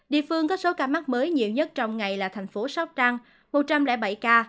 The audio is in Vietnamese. số ca mắc mới nhiều nhất trong ngày là thành phố sóc trăng một trăm linh bảy ca